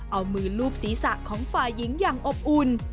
เอามือลูบศีรษะของฝ่ายหญิงอย่างอบอุ่น